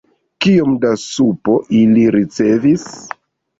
Kiom da supo ili ricevis?